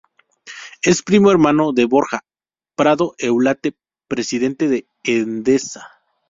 Es primo hermano de Borja Prado Eulate, presidente de Endesa.